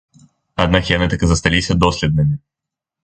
Аднак яны так і засталіся доследнымі.